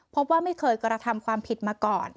พบว่าไม่เคยกระทำความผิดมาก่อน